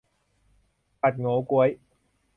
ผัดโหงวก้วย